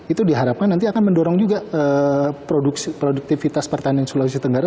itu diharapkan nanti akan mendorong juga produktivitas pertanian sulawesi tenggara